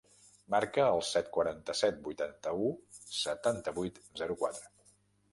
Marca el set, quaranta-set, vuitanta-u, setanta-vuit, zero, quatre.